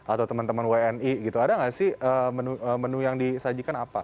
atau teman teman wni gitu ada nggak sih menu yang disajikan apa